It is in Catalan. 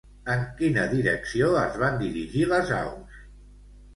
En quina direcció es van dirigir les aus?